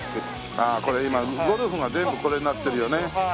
ああこれ今ゴルフが全部これになってるよね。